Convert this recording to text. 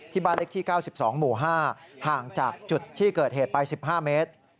บ้านเล็กที่๙๒หมู่๕ห่างจากจุดที่เกิดเหตุไป๑๕เมตร